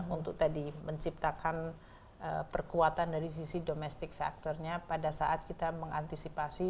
untuk menciptakan perkuatan dari sisi domestic factor nya pada saat kita mengantisipasi